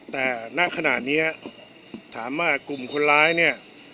แต่ณขณะนี้ถามว่ากลุ่มคนร้ายเนี่ย